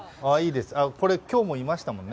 これ、きょうもいましたもんね。